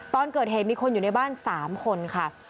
ตอนเกิดเหตุมีคนอยู่ในบ้าน๓คนค่ะ